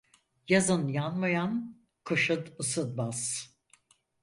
Yazın yanmayan kışın ısınmaz.